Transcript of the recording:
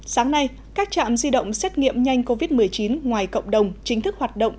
sáng nay các trạm di động xét nghiệm nhanh covid một mươi chín ngoài cộng đồng chính thức hoạt động